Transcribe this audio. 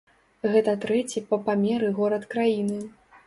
Гэта трэці па памеры горад краіны.